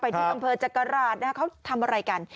ไปที่ดำเภอจักรราชนะครับเขาทำอะไรกัน